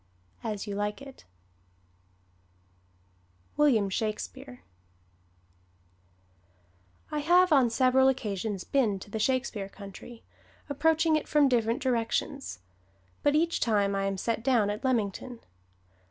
As You Like It [Illustration: WILLIAM SHAKESPEARE] I have on several occasions been to the Shakespeare country, approaching it from different directions, but each time I am set down at Leamington.